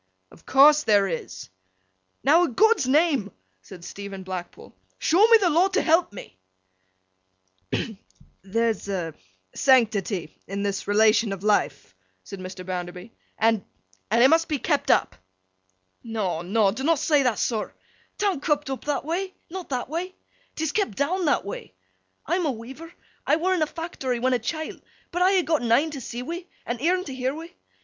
'Of course there is.' 'Now, a' God's name,' said Stephen Blackpool, 'show me the law to help me!' 'Hem! There's a sanctity in this relation of life,' said Mr. Bounderby, 'and—and—it must be kept up.' 'No no, dunnot say that, sir. 'Tan't kep' up that way. Not that way. 'Tis kep' down that way. I'm a weaver, I were in a fact'ry when a chilt, but I ha' gotten een to see wi' and eern to year wi'.